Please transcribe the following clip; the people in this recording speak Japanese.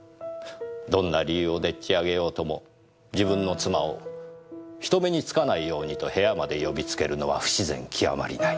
どんな理由をでっちあげようとも自分の妻を人目に付かないようにと部屋まで呼びつけるのは不自然極まりない。